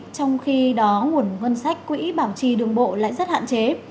trong khi đó nguồn ngân sách quỹ bảo trì đường bộ lại rất hạn chế